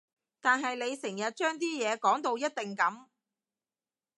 但係你成日將啲嘢講到一定噉